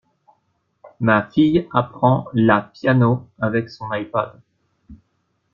Ma fille apprend la piano avec son ipad.